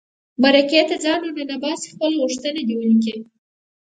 مرکې ته ځان ور ننباسي خپله غوښتنه دې ولیکي.